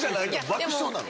爆笑なの？